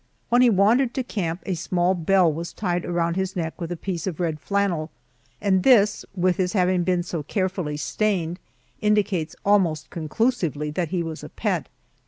When he wandered to camp, a small bell was tied around his neck with a piece of red flannel, and this, with his having been so carefully stained, indicates almost conclusively that he was a pet.